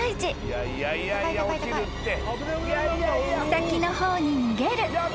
［先の方に逃げる］